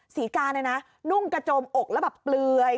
ศรีกาเนี่ยนะนุ่งกระโจมอกแล้วแบบเปลือย